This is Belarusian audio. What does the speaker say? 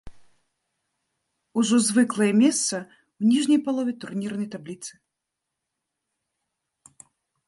Ужо звыклае месца ў ніжняй палове турнірнай табліцы.